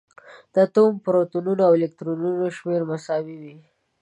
د اتوم پروتونونه او الکترونونه شمېر مساوي وي.